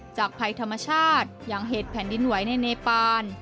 ภัยธรรมชาติอย่างเหตุแผ่นดินไหวในเนปาน